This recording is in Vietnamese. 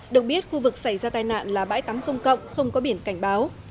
được biết khu vực xảy ra tai nạn là bãi tắm công cộng không có biển cảnh báo